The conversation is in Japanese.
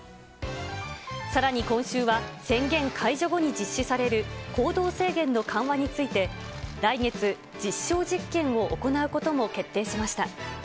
さらに今週は、宣言解除後に実施される行動制限の緩和について、来月、実証実験を行うことも決定しました。